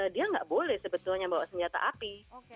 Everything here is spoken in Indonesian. dia nggak boleh sebetulnya bawa senjata api